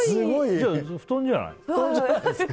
じゃあ布団じゃない？